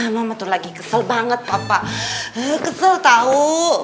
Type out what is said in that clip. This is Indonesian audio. mama tuh lagi kesel banget papa kesel tahu